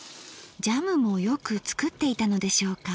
ジャムもよく作っていたのでしょうか。